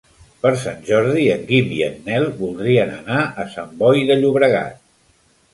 Per Sant Jordi en Guim i en Nel voldrien anar a Sant Boi de Llobregat.